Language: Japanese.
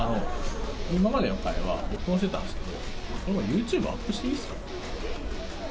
今までの会話、録音してたんですけど、このままユーチューブ、アップしていいですか？